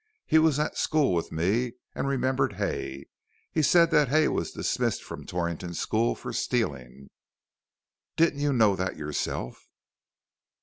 He was at school with me, and remembered Hay. He said that Hay was dismissed from Torrington School for stealing." "Didn't you know that yourself."